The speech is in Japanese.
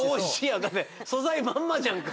素材まんまじゃんか！